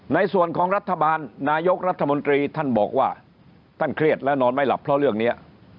ในส่วนของรัฐบาลนายกรัฐมนตรีท่านบอกว่าท่านเครียดและนอนไม่หลับเพราะเรื่องนี้